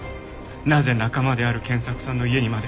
なぜ仲間である賢作さんの家にまで。